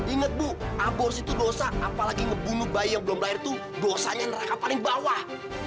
ingat bu aborsi itu dosa apalagi ngebunuh bayi yang belum lahir itu dosanya neraka paling bawah